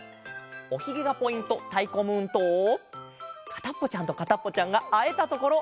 おひげがポイント「たいこムーン」と「かたっぽちゃんとかたっぽちゃん」があえたところ！